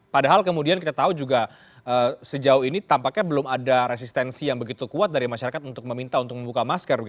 padahal kemudian kita tahu juga sejauh ini tampaknya belum ada resistensi yang begitu kuat dari masyarakat untuk meminta untuk membuka masker